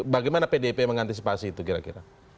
bagaimana pdip mengantisipasi ini